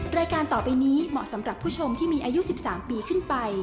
รายการต่อไปนี้เหมาะสำหรับผู้ชมที่มีอายุ๑๓ปีขึ้นไป